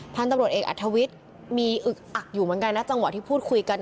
พันธุ์ตำรวจเอกอัธวิทย์มีอึกอักอยู่เหมือนกันนะจังหวะที่พูดคุยกัน